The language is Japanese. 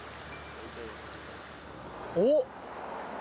おっ！